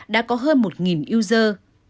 đã có hơn một user